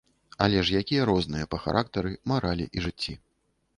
Але ж якія розныя па характары, маралі і жыцці.